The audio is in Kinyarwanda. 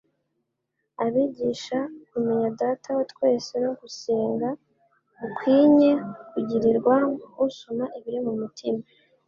Abigisha kumenya Data wa twese no gusenga gukwinye kugirirwa usoma ibiri mu mutima.